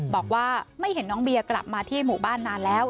บอกว่าไม่เห็นน้องเบียกลับมาที่หมู่บ้านนานแล้ว